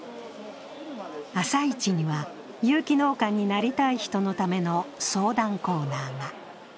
朝市には、有機農家になりたい人のための相談コーナーが。